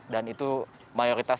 dan itu mayoritas